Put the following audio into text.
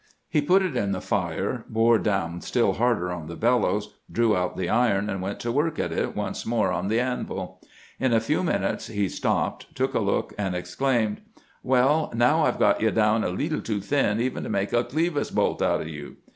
He put it in the fire, bore down still harder on the bel lows, drew out the iron, and went to work at it once more on the anvil. In a few minutes he stopped, took a look, and exclaimed :' "Well, now I 've got you down a leetle too thin even to make a clevis bolt out of you.'